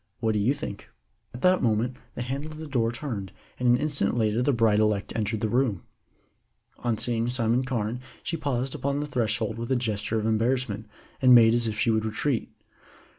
What do you think?" At that moment the handle of the door turned, and an instant later the bride elect entered the room. On seeing Simon Carne she paused upon the threshold with a gesture of embarrassment, and made as if she would retreat.